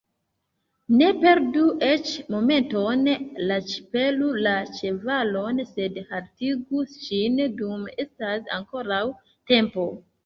Ne perdu eĉ momenton, lacpelu la ĉevalon, sed haltigu ŝin, dum estas ankoraŭ tempo!